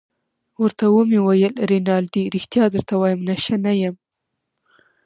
ورته ومې ویل: رینالډي ريښتیا درته وایم، نشه نه یم.